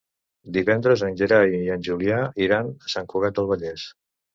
Divendres en Gerai i en Julià iran a Sant Cugat del Vallès.